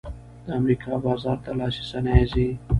د امریکا بازار ته لاسي صنایع ځي